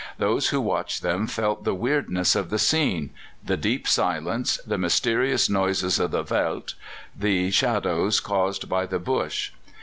Those who watched them felt the weirdness of the scene the deep silence, the mysterious noises of the veldt, the shadows caused by the bush.